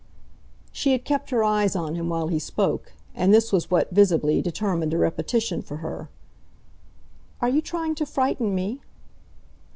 She had kept her eyes on him while he spoke, and this was what, visibly, determined a repetition for her. "Are you trying to frighten me?"